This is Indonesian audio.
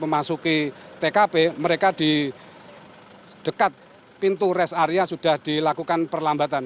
memasuki tkp mereka di dekat pintu rest area sudah dilakukan perlambatan